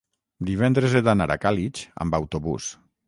Divendres he d'anar a Càlig amb autobús.